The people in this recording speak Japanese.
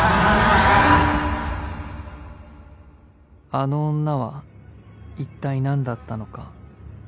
［あの女はいったい何だったのか？］